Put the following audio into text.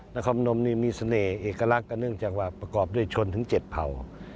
นครนมนี่มีเสน่ห์เอกลักษณ์ก็เนื่องจากว่าประกอบด้วยชนถึง๗เผ่า